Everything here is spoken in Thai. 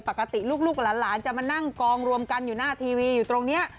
ปกติลูกหลานจะมานั่งกองรวมกันอยู่หน้าทีวีอยู่ตรงนี้